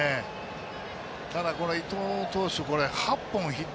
ただ、伊藤投手、８本のヒット